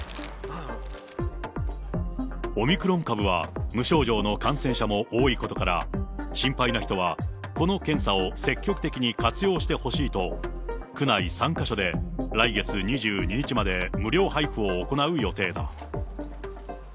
オミクロン株は、無症状の感染者も多いことから、心配な人は、この検査を積極的に活用してほしいと、区内３か所で、来月２２日まで無料配布を行う予定だ。